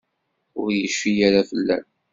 Ur yecfi ara fell-am.